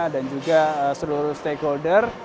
dan juga seluruh stakeholder